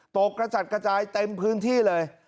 กระจัดกระจายเต็มพื้นที่เลย